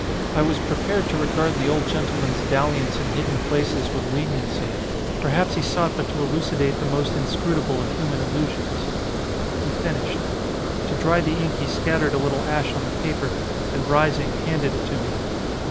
I was prepared to regard the old gentle man's dalliance in hidden places with leniency. Perhaps he sought but to elucidate the most in scrutable of human illusions. He finished. To dry the ink he scattered a little ash on the paper and rising handed it to me.